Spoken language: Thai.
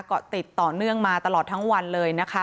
ก็ติดต่อเนื่องมาตลอดทั้งวันเลยนะคะ